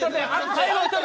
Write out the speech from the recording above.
最後！